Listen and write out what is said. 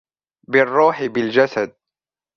بالروح بالجسد